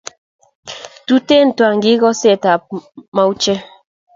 Tuten twangik oset ab mauche